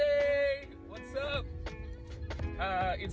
hai semuanya apa kabar